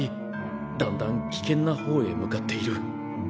だんだん危険な方へ向かっている。